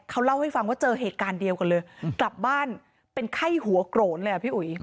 เขาเล่าให้ฟังว่าเจอเหตุการณ์เดียวกันเลยกลับบ้านเป็นไข้หัวโกรธเลยอ่ะพี่อุ๋ย